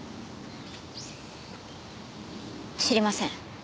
知りません。